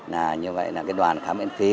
như vậy là cái đoàn khám miễn phí